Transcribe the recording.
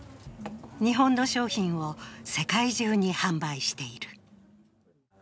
日本の商品を世界中に販売している。